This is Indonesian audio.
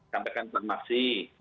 sampaikan terima kasih